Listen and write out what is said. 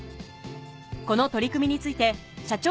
この取り組みについて社長